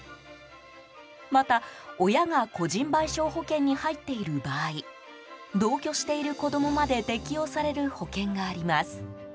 また、親が個人賠償保険に入っている場合同居している子供まで適用される保険があります。